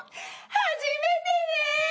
初めてね！